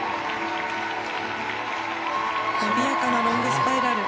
伸びやかなロングスパイラル。